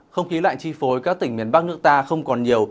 không khí lạnh chi phối các tỉnh miền bắc nước ta không còn nhiều